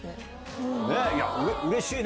うれしいね。